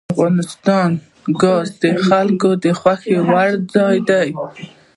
افغانستان کې ګاز د خلکو د خوښې وړ ځای دی.